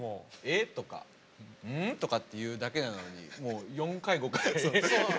「え？」とか「うん？」とかって言うだけなのにもう４回５回。